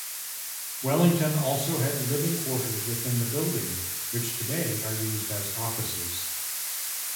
Wellington also had living quarters within the building, which today are used as offices.